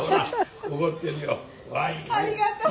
「ありがとう！」